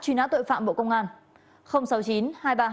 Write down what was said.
truy nã tội phạm bộ công an